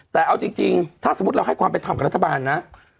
แต่เอาจริงถ้าสมมุติเราให้ความเป็นธรรมกับรัฐบาลนะ